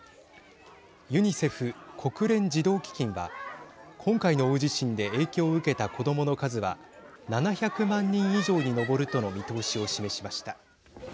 ユニセフ＝国連児童基金は今回の大地震で影響を受けた子どもの数は７００万人以上に上るとの見通しを示しました。